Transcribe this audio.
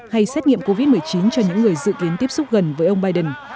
hay xét nghiệm covid một mươi chín cho những người dự kiến tiếp xúc gần với ông biden